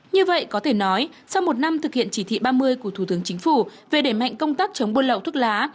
như vậy có thể nói sau một năm thực hiện chỉ thị ba mươi của thủ tướng chính phủ về đẩy mạnh công tác chống buôn lậu thuốc lá